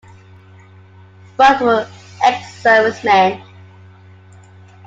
Both were ex-servicemen.